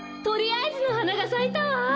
とりあえずのはながさいたわ！